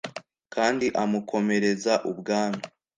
kandi amukomereza ubwami